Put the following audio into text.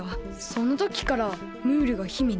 そのときからムールが姫に？